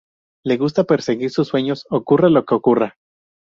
Le gusta perseguir sus sueños ocurra lo que ocurra.